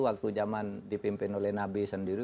waktu zaman dipimpin oleh nabi sendiri